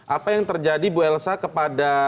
apa yang terjadi bu elsa kepada